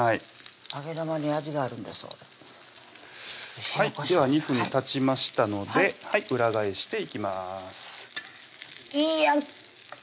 揚げ玉に味があるんだそうででは２分たちましたので裏返していきますいや！